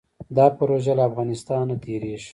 دا پروژه له افغانستان تیریږي